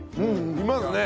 いますね。